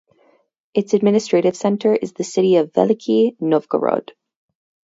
Its administrative center is the city of Veliky Novgorod.